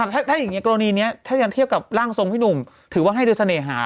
ถ้าอย่างนี้กรณีนี้ถ้ายังเทียบกับร่างทรงพี่หนุ่มถือว่าให้โดยเสน่หา